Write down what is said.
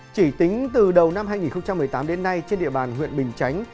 chỉ tính từ đầu năm hai nghìn một mươi tám đến nay trên địa bàn huyện bình chánh